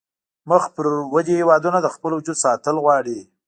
مخ پر ودې هیوادونه د خپل وجود ساتل غواړي